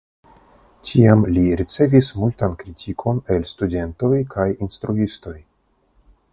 Tiam li ricevis multan kritikon el studentoj kaj instruistoj.